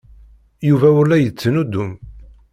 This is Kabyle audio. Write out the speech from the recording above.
Yuba ur la yettnuddum.